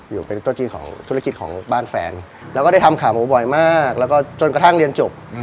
อยู่เป็นโต๊ะจีนของธุรกิจของบ้านแฟนแล้วก็ได้ทำขาหมูบ่อยมากแล้วก็จนกระทั่งเรียนจบ